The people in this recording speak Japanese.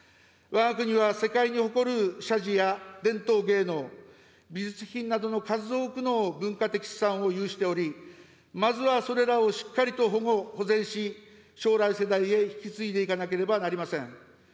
わが国は、世界に誇る社寺や伝統芸能、美術品などの数多くの文化的資産を有しており、まずはそれらをしっかりと保護・保全し、将来世代へ引き継いでいかなければなりません。